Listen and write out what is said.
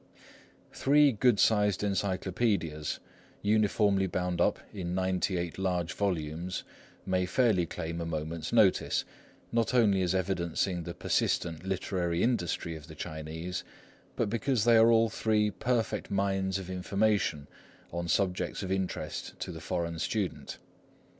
Three good sized encyclopædias, uniformly bound up in ninety eight large volumes, may fairly claim a moment's notice, not only as evidencing the persistent literary industry of the Chinese, but because they are all three perfect mines of information on subjects of interest to the foreign student.